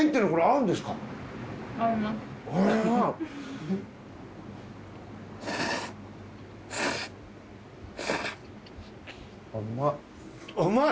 うまい！